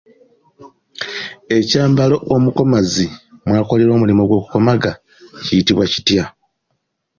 Ekyambalo omukomazi mwakolera omulimu gw’okukomaga kiyitibwa kitya?